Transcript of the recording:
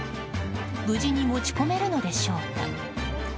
無事に持ち込めるのでしょうか。